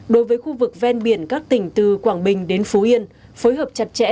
ba đối với khu vực ven biển các tỉnh từ quảng bình đến phú yên phối hợp chặt chẽ